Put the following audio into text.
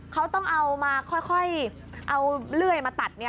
เขาต้องเอามาค่อยเอาเลื่อยมาตัด